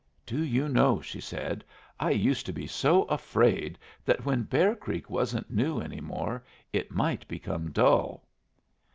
"Do you know," she said, "I used to be so afraid that when Bear Creek wasn't new any more it might become dull!"